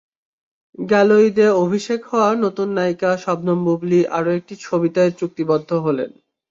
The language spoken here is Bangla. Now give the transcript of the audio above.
গেল ঈদে অভিষেক হওয়া নতুন নায়িকা শবনম বুবলী আরও একটি ছবিতে চুক্তিবদ্ধ হলেন।